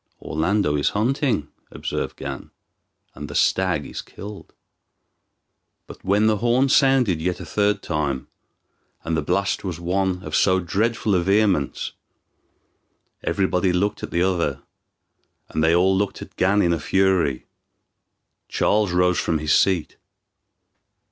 "Orlando is hunting," observed Gan, "and the stag is killed." But when the horn sounded yet a third time, and the blast was one of so dreadful a vehemence, everybody looked at the other, and then they all looked at Gan in a fury. Charles rose from his seat.